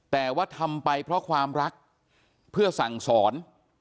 แต่ว่าทำไปเพราะความรักเพื่อสั่งสอน